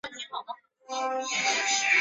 蕾雅本身并没有想过要成为演员。